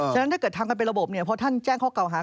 ฉะนั้นถ้าเกิดทำกันเป็นระบบเนี่ยพอท่านแจ้งข้อเก่าหา